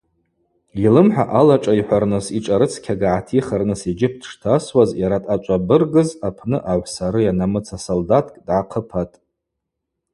Йлымхӏа алашӏайхӏварныс йшӏарыцкьага гӏатихырныс йджьып дштасуаз, йара дъачӏвабыргыз апны агъвсарыйа намыца солдаткӏ дгӏахъыпатӏ.